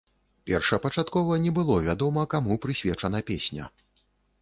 Першапачаткова не было вядома, каму прысвечана песня.